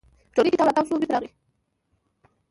په ټولګي کې تاو راتاو شو، بېرته راغی.